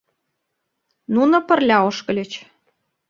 Нуно пырля ошкыльыч.